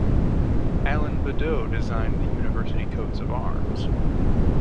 Alan Beddoe designed the university coats of arms.